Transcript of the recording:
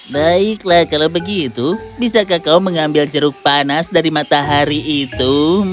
baiklah kalau begitu bisakah kau mengambil jeruk panas dari matahari itu